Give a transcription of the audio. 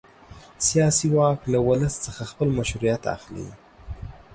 سیاسي واک له ولس څخه خپل مشروعیت اخلي.